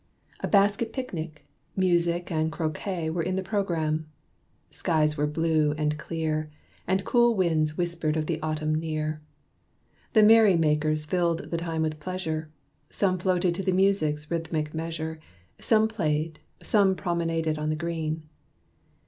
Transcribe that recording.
A basket picnic, music and croquet Were in the programme. Skies were blue and clear, And cool winds whispered of the Autumn near. The merry makers filled the time with pleasure: Some floated to the music's rhythmic measure, Some played, some promenaded on the green.